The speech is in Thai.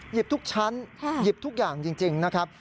ทุกชั้นหยิบทุกอย่างจริงนะครับ